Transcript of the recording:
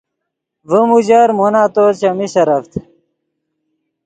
ڤیم اوژر مو نتو چیمی سرڤد